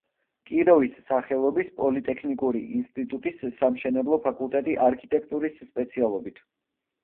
კიროვის სახელობის პოლიტექნიკური ინსტიტუტის სამშენებლო ფაკულტეტი არქიტექტურის სპეციალობით.